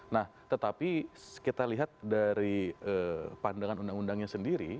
nah tetapi kita lihat dari pandangan undang undangnya sendiri